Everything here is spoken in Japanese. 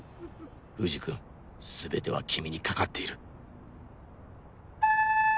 藤君全ては君に懸かっている